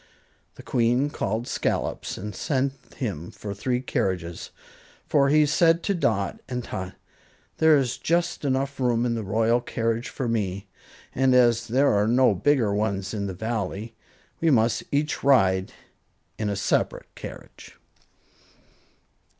The Queen called Scollops and sent him for three carriages "For," she said to Dot and Tot, "there is just enough room in the royal carriage for me, and as there are no bigger ones in the Valley, we must each ride in a separate carriage."